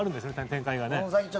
展開がね。